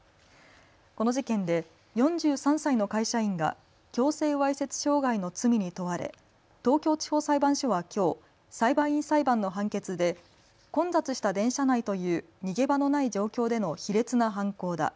この事件で４３歳の会社員が強制わいせつ傷害の罪に問われ東京地方裁判所はきょう裁判員裁判の判決で混雑した電車内という逃げ場のない状況での卑劣な犯行だ。